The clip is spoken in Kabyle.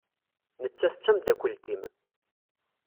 Nettat d tameddakelt-im.